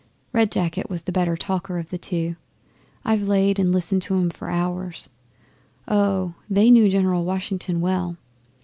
Red Jacket was the better talker of the two. I've laid and listened to 'em for hours. Oh! they knew General Washington well.